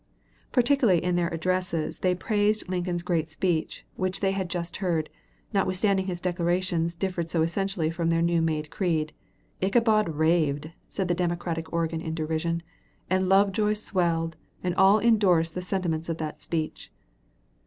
] Particularly in their addresses they praised Lincoln's great speech which they had just heard, notwithstanding his declarations differed so essentially from their new made creed. "Ichabod raved," said the Democratic organ in derision, "and Lovejoy swelled, and all indorsed the sentiments of that speech."